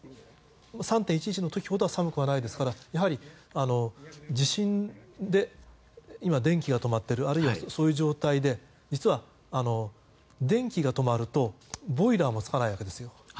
３・１１の時ほど寒くはないですからやはり地震で電気が止まっているあるいは、そういう状態で実は、電気が止まるとボイラーもつかないわけですよ。